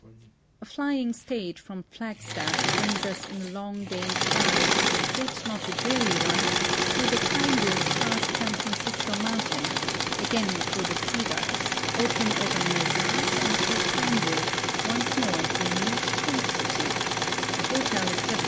A flying stage from Flagstaff brings us in a long day's ride, yet not a dreary one, through the pine woods past San Francisco mountain, again through the cedars, over open mesas and through pine woods once more to a neat tentcity — a hotel estal>li.